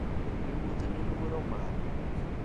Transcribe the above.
Jo wuoth ne luoro omako.